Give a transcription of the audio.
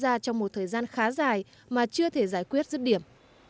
và đã diễn ra trong một thời gian khá dài mà chưa thể giải quyết dứt điểm